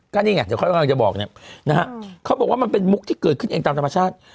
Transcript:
ก็นี่ไงเดี๋ยวเขากำลังจะบอกเนี่ยนะฮะเขาบอกว่ามันเป็นมุกที่เกิดขึ้นเองตามธรรมชาติ